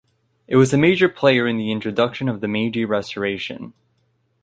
It was a major player in the introduction of the Meiji Restoration.